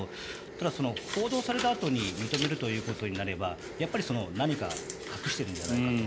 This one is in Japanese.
ただ、報道されたあとに認めるということになればやっぱり何か隠しているんじゃないかと。